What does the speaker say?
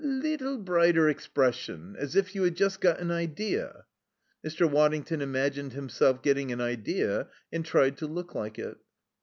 "A leetle brighter expression. As if you had just got an idea." Mr. Waddington imagined himself getting an idea and tried to look like it.